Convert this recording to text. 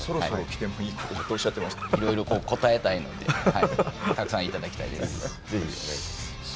いろいろ答えたいのでたくさんいただきたいです。